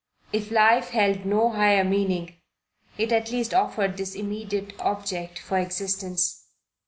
If life held no higher meaning, it at least offered this immediate object for existence.